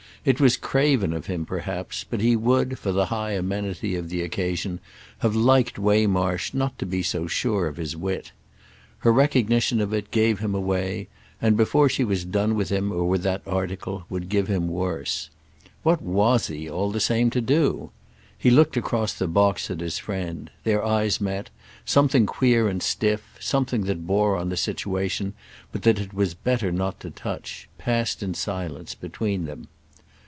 It was craven of him perhaps, but he would, for the high amenity of the occasion, have liked Waymarsh not to be so sure of his wit. Her recognition of it gave him away and, before she had done with him or with that article, would give him worse. What was he, all the same, to do? He looked across the box at his friend; their eyes met; something queer and stiff, something that bore on the situation but that it was better not to touch, passed in silence between them.